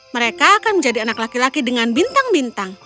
mereka akan menjadi anak laki laki dengan bintang bintang